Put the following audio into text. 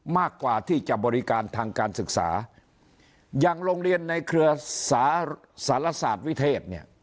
มากกว่าที่จะบริการทางการศึกษาอย่างโรงเรียนในเครือสารสารศาสตร์วิเทศเนี่ย